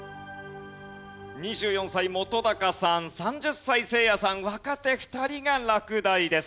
２４歳本さん３０歳せいやさん若手２人が落第です。